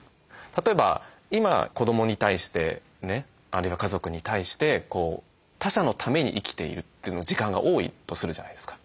例えば今子どもに対してねあるいは家族に対して他者のために生きているという時間が多いとするじゃないですか。